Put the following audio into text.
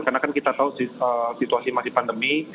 karena kan kita tahu situasi masih pandemi